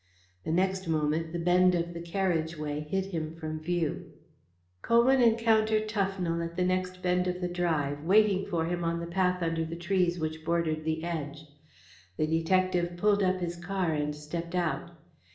The next moment the bend of the carriage way hid him from view. Colwyn encountered Tufnell at the next bend of the drive, waiting for him on the path under the trees which bordered the edge. The detective pulled up his car and stepped out.